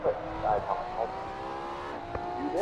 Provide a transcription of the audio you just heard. সেটা অতীত ছিলো।